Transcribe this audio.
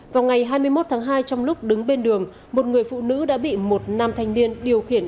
vào ngày hai mươi một tháng hai trong lúc đứng bên đường một người phụ nữ đã bị một nam thanh niên điều khiển